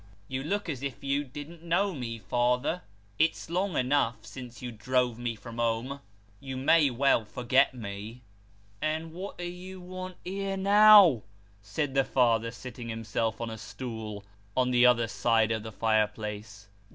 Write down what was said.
You look as if you didn't know me, father. It's long enough, since you drove me from home ; you may well forget me." ' And what do you want here, now ?" said the father, seating him self on a stool, on the other side of the fire place.